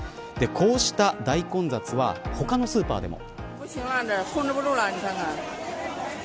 こうした大混雑は他のスーパーでも。